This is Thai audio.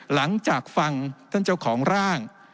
หลังจากฟังท่านเจ้าของร่าง